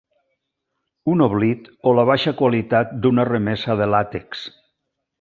Un oblit o la baixa qualitat d'una remesa de làtex.